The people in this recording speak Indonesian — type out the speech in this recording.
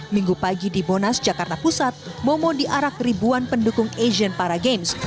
minggu pagi di bonas jakarta pusat momo diarak ribuan pendukung asean paragames